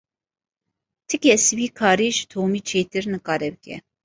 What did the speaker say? Ti kes vî karî ji Tomî çêtir nikare bike.